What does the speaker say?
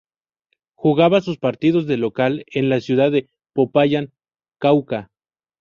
Jugaba sus partidos de local en la ciudad de Popayán, Cauca.